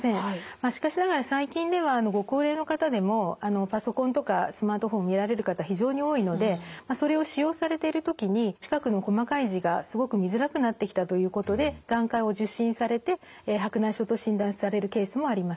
まあしかしながら最近ではご高齢の方でもパソコンとかスマートフォン見られる方非常に多いのでそれを使用されてる時に近くの細かい字がすごく見づらくなってきたということで眼科を受診されて白内障と診断されるケースもあります。